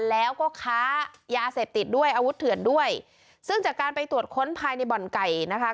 แล้วก็ค้ายาเสพติดด้วยอาวุธเถื่อนด้วยซึ่งจากการไปตรวจค้นภายในบ่อนไก่นะคะ